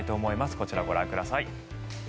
こちらをご覧ください。